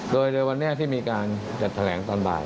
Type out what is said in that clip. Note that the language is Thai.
โดยในวันนี้ที่มีการจัดแถลงตอนบ่าย